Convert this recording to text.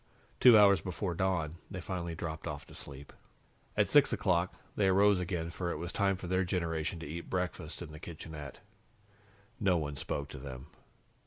Two hours before dawn, they finally dropped off to sleep. At six o'clock, they arose again, for it was time for their generation to eat breakfast in the kitchenette. No one spoke to them.